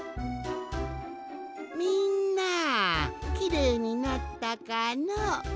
みんなきれいになったかのう？